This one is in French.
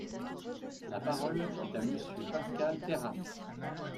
La parole est à Monsieur Pascal Terrasse.